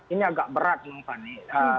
ini agak berat bang fani